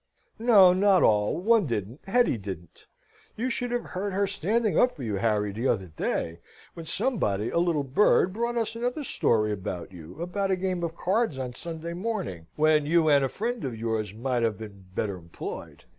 "No, not all. One didn't Hetty didn't. You should have heard her standing up for you, Harry, t'other day, when somebody a little bird brought us another story about you; about a game at cards on Sunday morning, when you and a friend of yours might have been better employed."